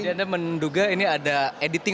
jadi anda menduga ini ada editing